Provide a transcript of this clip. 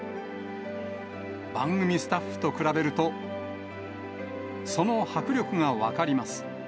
番組スタッフと比べると、その迫力が分かります。